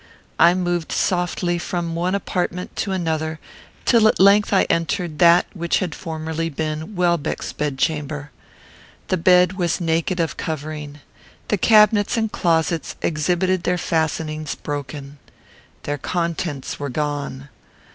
I moved softly from one apartment to another, till at length I entered that which had formerly been Welbeck's bedchamber. The bed was naked of covering. The cabinets and closets exhibited their fastenings broken. Their contents were gone.